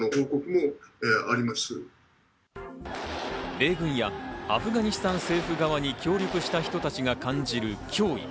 米軍やアフガニスタン政府側に協力した人たちが感じる脅威。